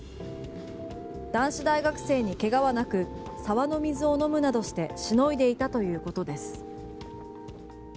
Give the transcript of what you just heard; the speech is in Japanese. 男子大学生にけがはなく沢の水を飲むなどしてしのいでいたということです。